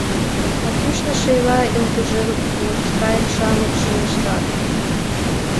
А кӱшнӧ, шийла йылгыжын, вурс кайык-шамыч чоҥештат.